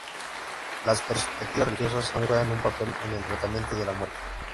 Las perspectivas religiosas aún juegan un papel en el tratamiento de la muerte.